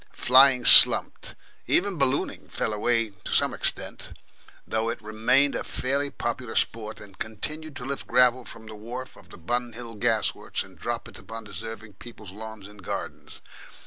Flying slumped, even ballooning fell away to some extent, though it remained a fairly popular sport, and continued to lift gravel from the wharf of the Bun Hill gas works and drop it upon deserving people's lawns and gardens.